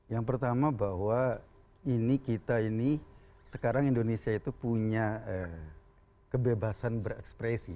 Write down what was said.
yang pertama bahwa ini kita ini sekarang indonesia itu punya kebebasan berekspresi